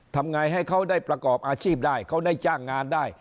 ทำไงให้เขาได้ประกอบอาชีพได้เขาได้จ้างงานได้